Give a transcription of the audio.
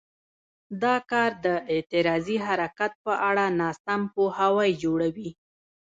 دا کار د اعتراضي حرکت په اړه ناسم پوهاوی جوړوي.